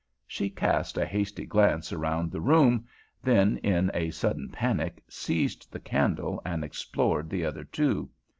She cast a hasty glance around the room, then, in a sudden panic, seized the candle and explored the other two.